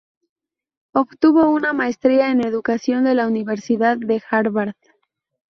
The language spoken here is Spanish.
Obtuvo una maestría en educación de la Universidad de Harvard.